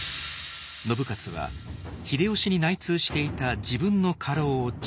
信雄は秀吉に内通していた自分の家老を誅殺。